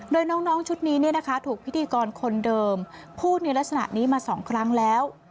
โดยน้องชุดนี้ถูกพิธีกรคนเดิมพูดในลักษณะนี้มา๒ครั้งแล้ว